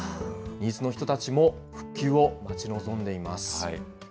新津の人たちも、復旧を待ち望んでいます。